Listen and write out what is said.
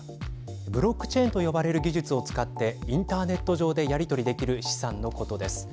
ブロックチェーンと呼ばれる技術を使ってインターネット上でやり取りできる資産のことです。